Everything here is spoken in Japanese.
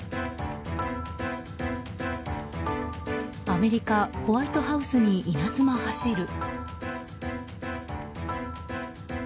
アメリカ・ホワイトハウスに稲妻走る。